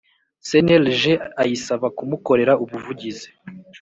Cnlg ayisaba kumukorera ubuvugizi